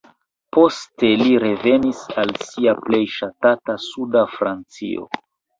Poste li revenis al sia plej ŝatata suda Francio.